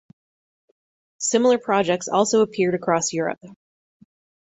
Similar projects also appeared across Europe.